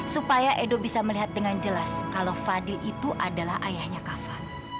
supaya edo bisa melihat dengan jelas kalau fadli itu adalah ayahnya kava